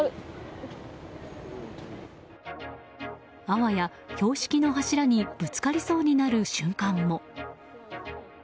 あわや標識の柱にぶつかりそうになる瞬間も。